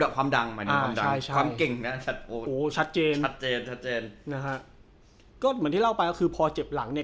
ความดังหมายถึงความดังความเก่งนะ